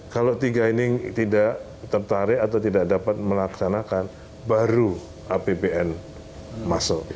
kalau tiga ini tidak tertarik atau tidak dapat melaksanakan baru apbn masuk